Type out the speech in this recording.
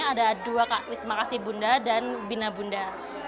ada dua kak wisma kasih bunda dan bina bunda